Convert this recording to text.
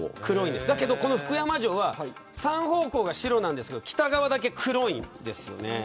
でも、この福山城は３方向が白なんですけど北側だけ黒いんです。